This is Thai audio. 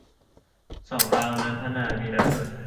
สองเรา - นันทนา วีระชน